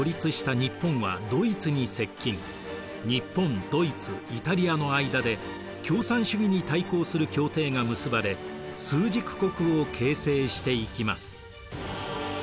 日本ドイツイタリアの間で共産主義に対抗する協定が結ばれ枢軸国を形成していきます。